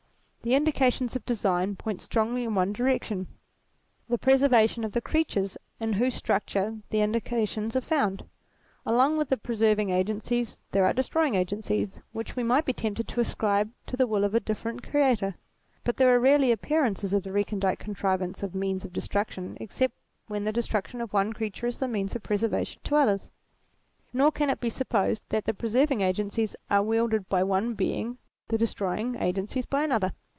The indications of design point strongly in one direction, the preservation of the creatures in whose structure the indications are found. Along with the preserving agencies there are destroying agencies, which we might be tempted to ascribe to the will of a different Creator : but there are rarely appearances of the re condite contrivance of means of destruction, except when the destruction of one creature is the means of preservation to others. Nor can it be supposed that the preserving agencies are wielded by one Being, the destroying agencies by another.